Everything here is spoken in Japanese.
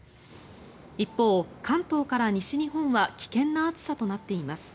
一方、関東から西日本は危険な暑さとなっています。